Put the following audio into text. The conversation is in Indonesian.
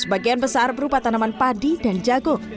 sebagian besar berupa tanaman padi dan jagung